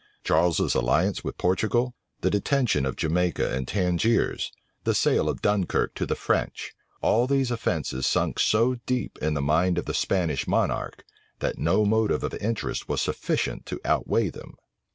Charles's alliance with Portugal, the detention of Jamaica and Tangiers, the sale of Dunkirk to the French, all these offences sunk so deep in the mind of the Spanish monarch, that no motive of interest was sufficient to outweigh them.